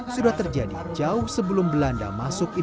sudah terjadi jauh lebih lama dari saat ini